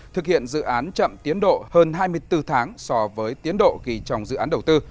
thực hiện dự án chậm tiến độ hơn hai mươi bốn tháng so với tiến độ ghi trong dự án đầu tư